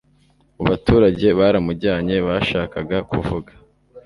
Mu baturage baramujyanye bashakaga kuvuga